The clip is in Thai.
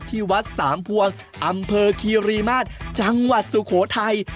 ที่วัดสามพวงอำเภอคีรีมาศจังหวัดสุโขทัย